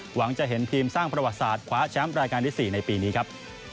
หวังจะเห็นทีมสร้างประวัติศาสตร์คว้าแชมป์รายการที่๔ในปีนี้ครับ